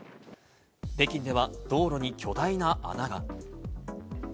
北京では道路に巨大な穴が。